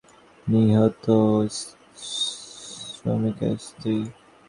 সোহেল রানার বিরুদ্ধে একমাত্র হত্যা মামলাটি করেছেন একজন নিহত শ্রমিকের স্ত্রী।